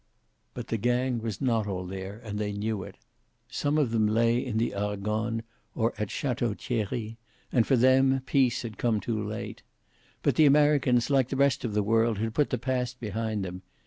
But the gang was not all there, and they knew it. Some of them lay in the Argonne, or at Chateau Thierry, and for them peace had come too late. But the Americans, like the rest of the world, had put the past behind them.